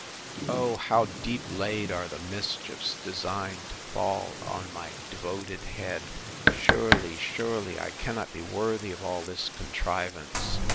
O how deep laid are the mischiefs designed to fall on my devoted head!—Surely, surely, I cannot be worthy of all this contrivance!